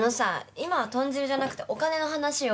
今は豚汁じゃなくてお金の話を。